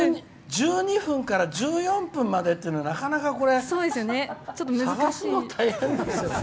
１２分から１４分までっていうのはなかなか探すの大変ですよ。